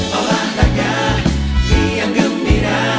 tak ada yang gembira